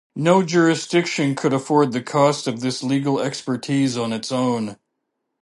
No jurisdiction could afford the cost of this legal expertise on its own.